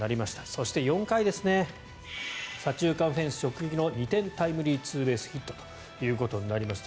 そして、４回ですね左中間フェンス直撃の２点タイムリーツーベースヒットということになりました。